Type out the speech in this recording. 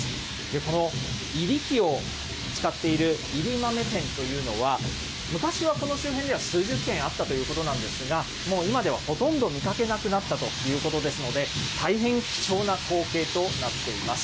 この煎り機を使っているいり豆店というのは、昔はこの周辺では数十軒あったということなんですが、もう今ではほとんど見かけなくなったということですので、大変貴重な光景となっています。